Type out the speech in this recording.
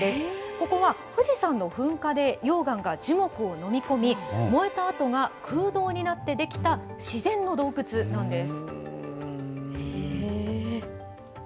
ここは富士山の噴火で溶岩が樹木を飲み込み、燃えたあとが空洞になって出来た自然の洞窟なんです。